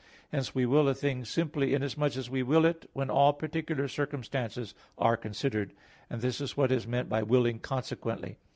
Hence we will a thing simply inasmuch as we will it when all particular circumstances are considered; and this is what is meant by willing consequently.